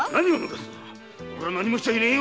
おれは何もしちゃいねえ。